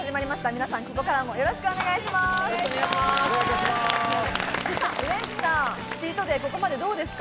皆さん、ここからもよろしくお願いします。